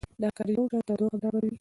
دا کار یوشان تودوخه برابروي.